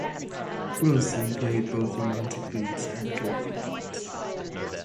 Wilson played both romantic leads and character parts.